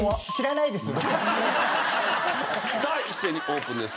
さあ一斉にオープンです。